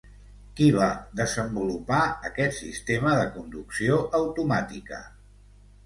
Qui va desenvolupar aquest sistema de conducció automàtica?